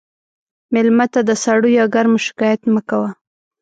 مېلمه ته د سړو یا ګرمو شکایت مه کوه.